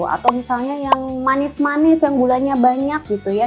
atau misalnya yang manis manis yang gulanya banyak gitu ya